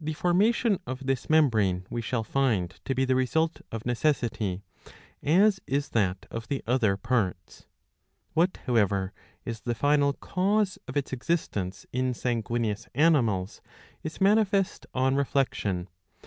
The formation of this mertibrane we shall find to be the result of necessity, as is that of the other parts.^ What however is the final cause of its existence in sanguineous animals is manifest on reflection.